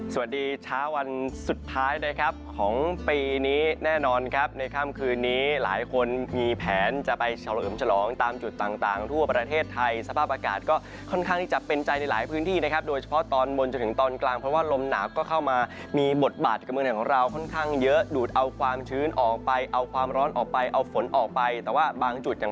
สวัสดีเช้าวันสุดท้ายนะครับของปีนี้แน่นอนครับในค่ำคืนนี้หลายคนมีแผนจะไปเฉลิมฉลองตามจุดต่างทั่วประเทศไทยสภาพอากาศก็ค่อนข้างที่จะเป็นใจในหลายพื้นที่นะครับโดยเฉพาะตอนบนจนถึงตอนกลางเพราะว่าลมหนาวก็เข้ามามีบทบาทกับเมืองไทยของเราค่อนข้างเยอะดูดเอาความชื้นออกไปเอาความร้อนออกไปเอาฝนออกไปแต่ว่าบางจุดอย่าง